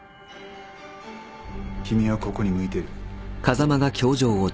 君はここに向いてる。